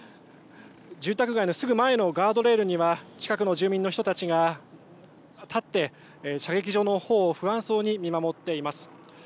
住宅街のすぐ前のガードレールには近くの住民の人たちが立って射撃場のほうを不安そうに見守っています。